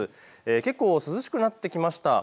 結構涼しくなってきました。